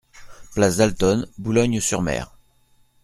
Place Dalton, Boulogne-sur-Mer